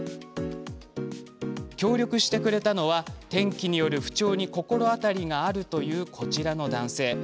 協力してくれたのは天気による不調に心当たりがあるというこちらの男性。